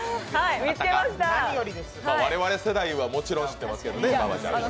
われわれ世代はもちろん知っていますけどね。